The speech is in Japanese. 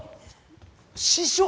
師匠？